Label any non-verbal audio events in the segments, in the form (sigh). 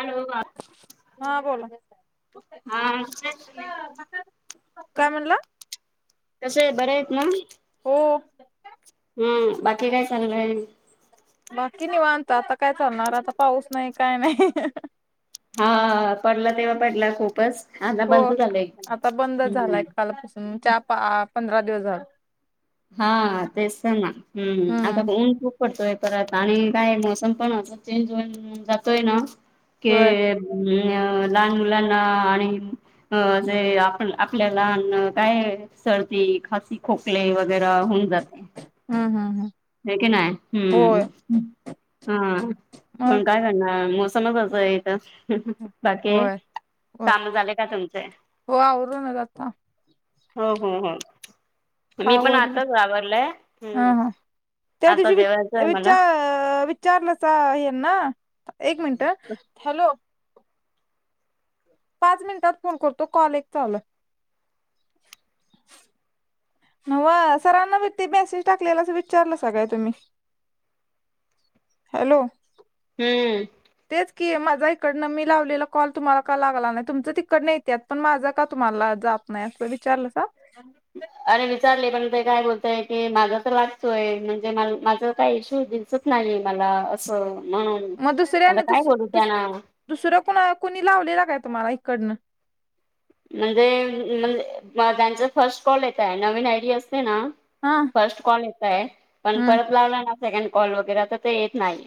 Hello ह बोला की. हा काय म्हणला कसे हे बरे हेत ना. हो. हम्म बाकी काय चाललंय बाकी निवांत आता काय करणार आता पाऊस नाही काय नाही. हा पडला तेव्हा पडला खूपच. आता हो बंद झालं एकदम आता बंद झालाय हम्म कालपासून चार पा पंधरा दिवस झाला. हा तेच तर ना हम् आता हम्म ऊन खूप पडतोय परत आणि काय अ सम पण आ चेंज होन जातोय ना की होय मी अ लहान मुलांना आणि (unintelligible) (unintelligible) हम्, हम्, हम्. हे की नाय? हम्. ह. मग पण काय? (unintelligible) बाकी होय होय काम झाले का, तुमचे? हो आवरूनच आता हो, हो, हो. मी आता पण आवरलं आताच वावरलंय. हा हम्म. हा त्या आता दिवशी बि, जेवायचं आहे मला विचा विचारलं का, ह्याना्? एक मिनिटं, हॅलो! पाच मिनिटात फोन करतो. कॉल एक चाल - (unintelligible) हॅलो! हम्म तेच की माझा इकडनं मी लावलेला कॉल तुम्हाला क लाला नाही तुमचं तिकड नाही (unintelligible) त्यात पण माझा का, तुम्हाला जात नाही अस विचारलं का? अरे, विचारले पण ते काय बोलताय? की माझा तर लागतोय म्हणजे माझ काय इशू होतील? (unintelligible) मग दुसऱ्याने दुस दुस दुसरं कुणा कुणी लावलेला काय, तुम्हाला इकडनं? (unintelligible) फर्स्ट कॉल हा येता आहे पण हम्म परत लावला ना सेकंड कॉल वगैरे, तर ते येत नाही.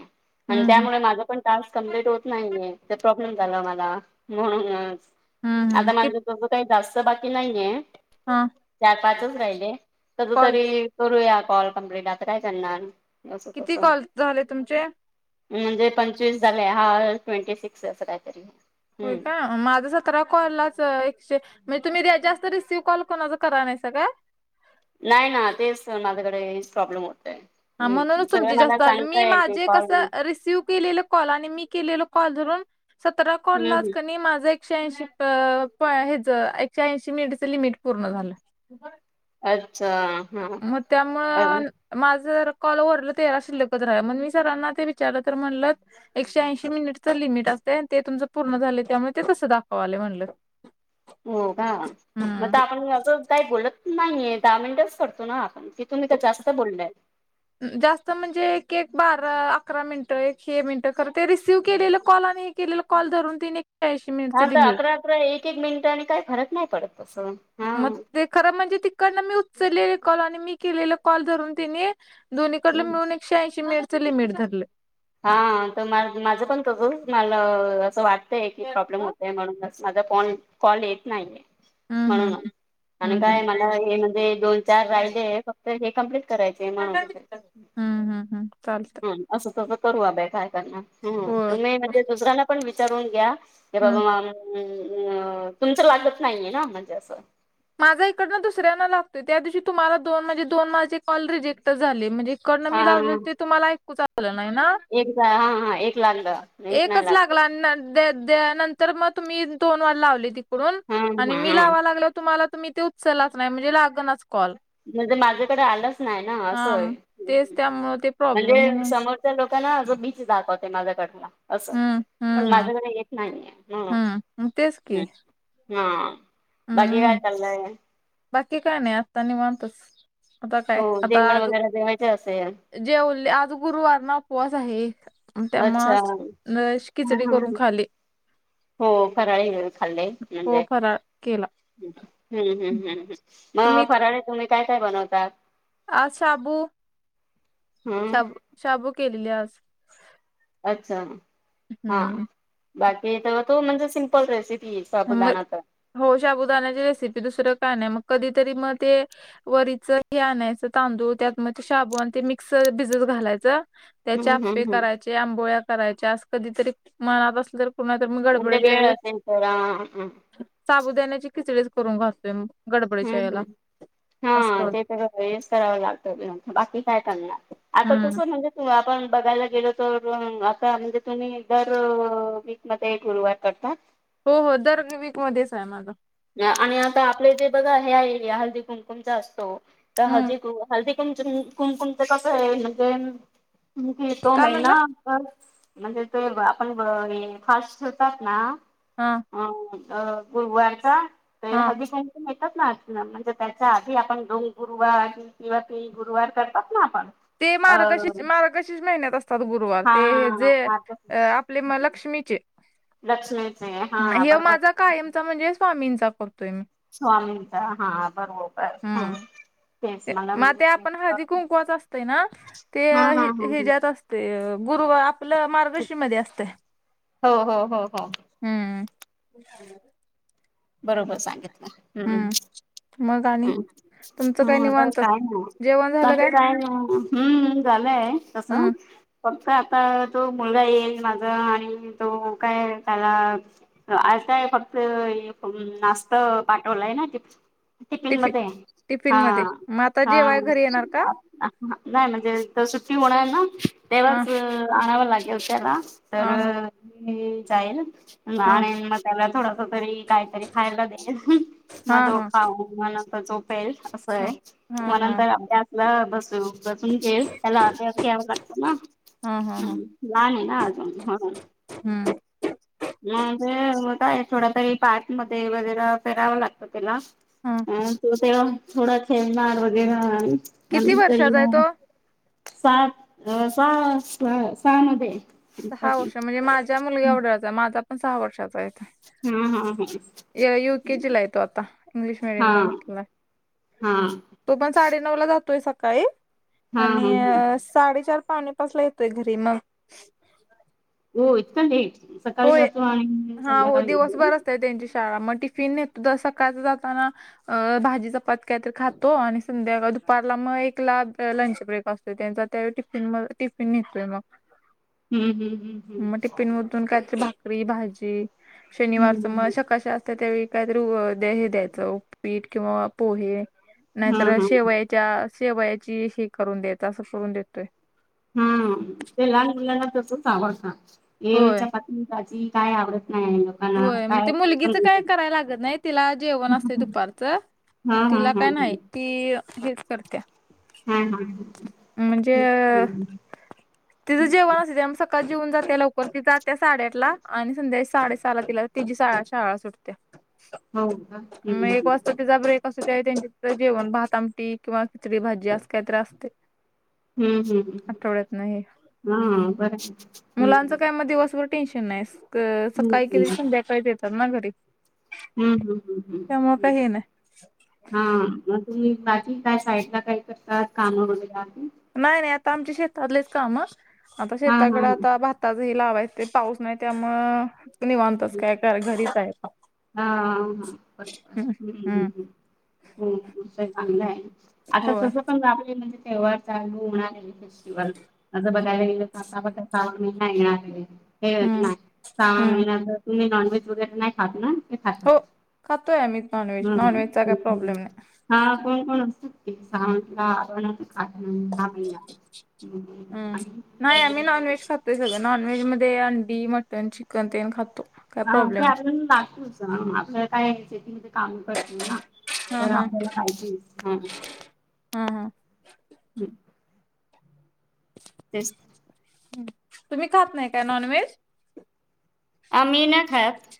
आणि हम्म त्यामुळे माझं पण टास्क कंप्लीट होत नाहीये, तर प्रॉब्लेम झाला मला म्हणूनच. हम्म हम्म आता कि माझं तसं काही जास्त बाकी नाहीये. हा चार-पाचच राहिले. कध कॉल तरी - करूया कॉल कंम्प्लीट. आता काय करणार? असं किती तसं कॉल झाले, तुमचे? म्हणजे पंचवीस झालं, हा ट्वेंटी-सिक्स अस काहीतरी. हम्म (unintelligible) (unintelligible) नाही ना, तेच त माझ्याकडेच प्रॉब्लेम होतय. हा, हम्म म्हणूनच सगळे तुमची मला जास्त आली. मी सांगताय की माझे कॉल कस रिसिव - हम्म हम्म (unintelligible) एकशे ऐंशीच प, ह्याच एकशे ऐंशी मिनटच लिमिट पूर्ण झालं. अच्छा! हा मग अ त्यामुळं - माझं कॉल रलं तेरा शिल्लकत मग मी सरांना ते विचारलं तर म्हणलं. एकशे ऐंशी मिनिटचं लिमिट असते आणि ते तुमचं पूर्ण झाले त्यामुळे ते तसं दाखव आले म्हटलं. हो का मग आपण असं काही बोलत नाहीये दहा मिनिटच करतो ना आपणि तुम्ही तर जास्त बोललाय. जास्त म्हणजे एक एक बारा अकरा मिनिटं एक हे मिनिटं खरं ते रिसिव्ह केलेले कॉल आणि केला कॉलधरून तिने हा तर अकरा अकरा एक एक मिनिट आणि काही फरक नाही पडत तसं. हा मग ते खरं म्हणजे तिकडनं मी उचललेले कॉल आणि मी केलेले कॉल धरून तिने दोनहीकडडे मिळून एकशे ऐंशी मिनिटचं लिमिट धरलं. हा तर माझं पण तसच मला असं वाटतय की प्रॉब्लेम होतय म्हणून माझा फोन कॉल येत नाहीये हम्म म्हणून हम्म आणि हम्म काय मला हे म्हणजे दोन चार राहिले फक्त हे कम्प्लीट करायचेय म्हणाले. हम्. हम्म, हम्म, हम्म चालतं. असं तसं करू. आत काय करणार? होय तुम्ही म्हणजे दुसऱ्याला पण विचारून घ्या. हम्म. (unintelligible) माझा इकडनं दुसऱ्यांना लागतोय, त्या दिवशी तुम्हाला दोन, म्हणजे दोन, माझे कॉल रिजेक्ट झाले. म्हणजे... हा (unintelligible) एकाद हा, हा एक लागलं, एक नाही लागलं. त्या त्यानंतर म तुम्ही दोनवेळा लावली तिकडून हा आणि हा मी हा लावा लागलो तुम्हाला ते, तुम्ही तेे उचललाच नाही, म्हणजे लागनाच कॉल. म्हणजे माझ्याकडे आलंच नाही ना असंय, हा तेच त्यामुळं ते प्रॉब्लेम म्हणजे म्हणून समोर - लोकांना जो बीचस जातय माझ्याकडला असं हम्म पण हम्म हम्म माझंकडे येत नाहीये ह हम्म मग तेच की हा बघी काय म्हणून चाललंय? बाकी काय नाही आत्ता निवांतच. आता काय हो आता जेवण आज वगैरे जेवायाच असेल? जेवले आज गुरुवार ना उपवास आहे. त्यामुळं अच्छा च हा खिचडी हा करून ह खाली. हो फराळी खाल्ले हो म्हणजे फराळ केला हम्म हम्म हम्म हम् मग तुम्ही फराळे तुम्ही काय काय बनवताात? आज शाबू हम्म शाबू शाबू केलेली आज. अच्छा हा हम्म बाकी तेव्हा तू म्हणजे सिम्पल रेसिपी ती मग साबुदाणा हो शाबूदानाची रेसिपी दुसरं काय नाही मग कधीतरी मग ते वरीच हे आणायचं तांदूळ त्यात म ते शाबू आणि ते मिक्स भिजत घालायचं. त्याचे हम्म अप्पे हम्म हम्म करायचे आंबोळ्या करायच्या अस कधीतरी मनात असल म्हणजे बेळ असेल तर हा हां साबुदाण्याची खिचडी करून घालतोय मग (unintelligible) हम्म हम्म याला हा ते तर हेच करावं लागतं बाकी काय करणार आता तस हम्म म्हणजे आपण बघायला गेलो तर, आता म्हणजे तुम्ही दर वीक मध्ये गुरुवार करता? हो हो दर वीक मध्येच आहे माझा. आणि आता आपले इथे बघा हे आहे हळदी कुमकुमचा असतो तर हम्म हळदीु हळदी कुमुम कुमकुमच कसं आहे म्हणजे जे तो काय महिना म्हणला म्हणजे ते आपण फास्ट ठेवतात ना हा ह गुरुवार का (unintelligible) हा येतात ना म्हणजे त्याच्या आधी आपण दोन गुरुवार किंवा तीन गुरुवार करतात ना आपण. ते अ मार्गशी मार्गशिष महिन्यात असतात गुरुवार हा ते हे जे अ आपले म लक्ष्मीचे लक्ष्मीचे हा हं, हे बरोबर. माझा कायमचा म्हणजे स्वामींचा करतोय मी. स्वामीचा हा बरोबर हम. हम्म मग ते आपण हळदी कुंकुवाच असतय ना ते हा हा ह ह हिज्यात असते ते गुरु आपलं मार्गर्शी मध्ये असतय हो हो हो हो हम्म बरोबर सांगितलं हम्. हम्म मग आणि ह तुमचं काय हा बस निवांत काय नाय जेवण झालं बाकी काय हम्म झालंय तसं हम्म फक्त आता तो मुलगा येईल माझ आणि तो काय त्याला आज काय फक्त नाश्ता पाठवलाय ना चिप्स टिफिन टिफि मध्ये टिफिन हा मध्ये मग आता हा जेवाय घरी येणार का? नाही म्हणजे त सुट्टी होणार ना हा तेव्हाच आणावं लागेल त्याला तर हा हा जाईल हा आणि मग त्याला थोडस तरी काय कायतरी खायला हा म तो हा खाऊ म नंतर झोप अस हा आहे हा म हा नंतर (unintelligible) ल बसू बसून घस त्याला आध घ्यावं लाटतं ना हा हा हा (inaudible) हम्म मग काय थोडा तरी पार्क मध्ये वगैरे फीरावं लागतं त्याला हा अ तो तेव्हा थोडा खेळणार वगैरे. किती नंतर वर्षाचा आहे ये तो? सात सहा स सहा मध्ये. हा सहा वर्ष म्हणजे माझ्या मुलगा एवढ्याचा माझा पण सहा वर्षाचा हाय. हम्म हा हा. यु केजी ला येतो आता इंग्लिश हा मिडियमला घातलाय. हा तो पण साडेनऊ ला जातोय सकाळी हा ह ह आणि. साडेचार पावणेपाचला येतोय घरी मग. हो इतकं ईट सकाळी होय जातो आणि हा हो संध्याकाळी येतो. दिवसभर असते त्यांची शाळा मग टिफिनेत ज सकाळच जाताना. अ भाजी चपात काय तर खातो आणि संध्याकाळ दुपारला मग एकला लंच ब्रेक त त्यांचा त्या टिफिन मग टिफिन निघसतोय मग. हम्म हम्म हम्म हम्म काय भाकरी भाजी शनिवारच हम्म मग सकाळीची शाळा. त्या काय द्यायचं उपीठ किंवा पोहे हम्म हम्म हा नाहीतर हा शेवाळे. (inaudible) हम्म ते लहान मुलांना तर तूच आवडत ए होय वेच्या पातनी काज काय आवडत नाही लोकांना होय मग काय ते मुलगीच काय करायला लागत नाही तिला जेवण असते दुपारचं. हा मग हा तिला हा काय हा. नाही ती हेच करत्या. हा हा म्हणजे तेच तिचं जेवण अस ते आमच. जेऊन जाते लवकर त जाते साडेआठ ला आणि संध्याकाळी साडेसात. ला तिला तिजी शाळा सुटते हो का मग एक हम्म वाजता तिचा ब्रेक कसं का त्यांच्या जेवण भाताअमटी किंवा खिचडी भाजी असं काहीतरी असते हम्म हम्म हम्म आठवड्यात नाही हा बरं हम्म मुलांचं काय मग दिवसभर. टेन्शन नाही हम्म सकाळी हम्म गेली संध्याकाळी येतात ना घरी. हम्म हम्म हम्म त्यामुळे काही हम्म. हे नाही हा मग तुम्ही बाकी काय साईड ला काही करता कामं वगैरे नाही नाही आता आमचे शेतातलेच काम आता हा हा हा शेताकडे आता हम्म. भ भात हे लावायचं पाऊस नाही त्यामु तु नि वानतास काय घरीच आहे हा हा हम्म बरो् हो अस चांगलं आहे आता होय तसं पण राबले म्हणजे तेवार चालू म्हणालेले फेस्टिवल असं बघायला गेलं तर आता फ सावा महिना येणार हे हम्म ना साहावा हम्म महिनाच तुम्ही नॉनव्हेज वगैरे खात नाही ना ते खाता हो खातोय मी नॉनव्हेज हम्म नॉनव्हेजचा काही हम्म प्रॉब्लेम नाही हा कोण कोण असतात ते स आ (inaudible) ते सगळं नॉन व्हेज मध्ये अंडी मटन चिकन तेन खातो काय हा ते प्रॉब्लेम आपल्या दगतच आपलं काय शेतीमध्ये काम करतो ना हा तर हा आपल्याला पाहितीे ह हा हा हम् (unintelligible) तेच. तुम्ही खात नाही का नॉन व्हेज आम्ही ना खात